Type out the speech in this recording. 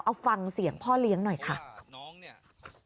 เอาฟังเสียงพ่อเลี้ยงหน่อยค่ะ